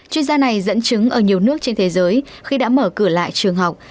chuyên gia này dẫn chứng ở nhiều nước trên thế giới khi đã mở cửa lại trường học